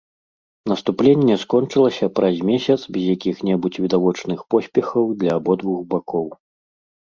Наступленне скончылася праз месяц без якіх-небудзь відавочных поспехаў для абодвух бакоў.